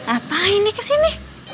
apa ini kesini